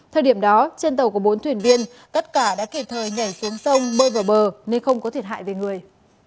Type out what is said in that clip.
thời điểm đó trên tàu có bốn thuyền viên tất cả đã kịp thời nhảy xuống sông bơi vào bờ nên không có thiệt hại về người